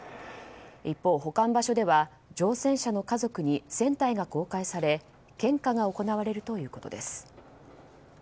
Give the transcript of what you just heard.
一方、保管場所では乗船者の家族に船体が公開され献花が行われるということです。